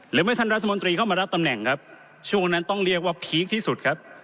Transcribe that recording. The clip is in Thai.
หรือไม่ท่านรัฐมนตรีเข้ามารับตำแหน่งครับช่วงนั้นต้องเรียกว่าพีคที่สุดครับ